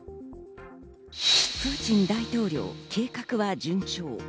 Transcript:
プーチン大統領、計画は順調。